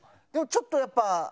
でもちょっとやっぱ。